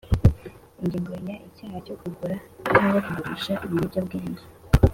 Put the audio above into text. Ingingo ya Icyaha cyo kugura cyangwa kugurisha ibiyobyabwenge